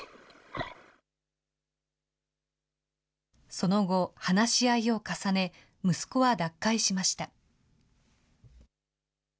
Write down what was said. その後、話し合いを重ね、息子は脱会しました。